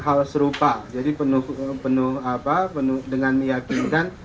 hal serupa jadi penuh apa penuh dengan meyakinkan